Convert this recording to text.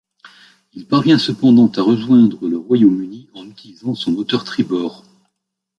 Il parvient cependant à rejoindre le Royaume-Uni en utilisant son moteur tribord.